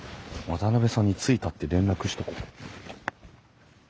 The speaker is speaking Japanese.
渡さんに着いたって連絡しとこ。